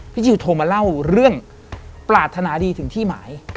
จิลโทรมาเล่าเรื่องปรารถนาดีถึงที่หมาย